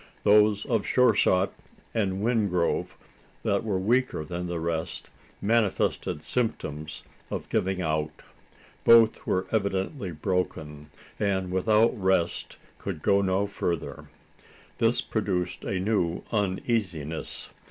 Those of Sure shot and Wingrove, that were weaker than the rest, manifested symptoms of giving out. Both were evidently broken, and without rest could go no further. This produced a new uneasiness.